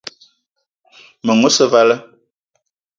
Meng osse vala.